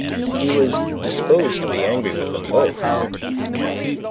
He was disposed to be angry with them both.